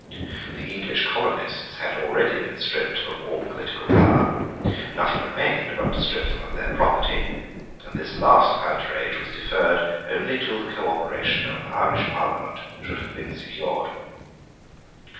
The English colonists had already been stripped of all political power. Nothing remained but to strip them of their property; and this last outrage was deferred only till the cooperation of an Irish Parliament should have been secured.